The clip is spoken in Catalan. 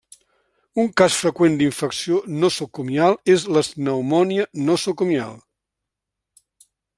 Un cas freqüent d'infecció nosocomial és la pneumònia nosocomial.